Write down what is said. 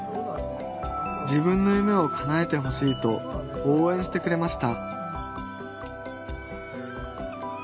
自分の夢をかなえてほしいとおうえんしてくれました